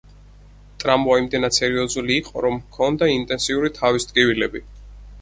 ტრავმა იმდენად სერიოზული იყო, რომ ჰქონდა ინტენსიური თავის ტკივილები.